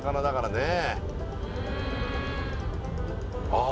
ああ